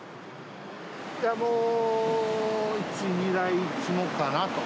もう１、２台積もうかなと。